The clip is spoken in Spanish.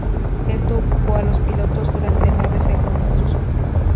Esto ocupó a los pilotos durante nueve segundos.